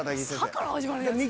「さ」から始まるやつ何？